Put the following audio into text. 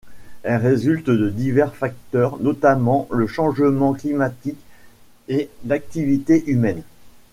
Elle résulte de divers facteurs, notamment le changement climatique et l’activité humaine.